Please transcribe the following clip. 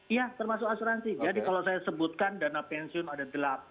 iya termasuk asuransi jadi kalau saya sebutkan dana pensiun ada delapan